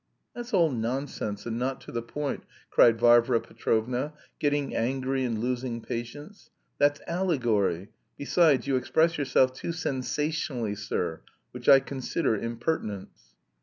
"That's all nonsense and not to the point!" cried Varvara Petrovna, getting angry and losing patience. "That's allegory; besides, you express yourself too sensationally, sir, which I consider impertinence."